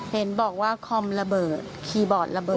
เห็นบอกว่าคอมระเบิดคีย์บอร์ดระเบิด